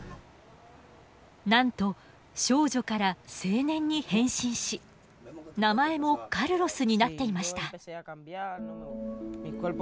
なんと少女から青年に変身し名前もカルロスになっていました。